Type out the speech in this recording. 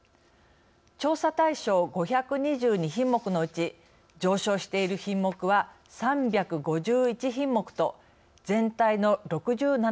調査対象５２２品目のうち上昇している品目は３５１品目と全体の６７％